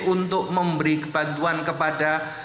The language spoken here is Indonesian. untuk memberi bantuan kepada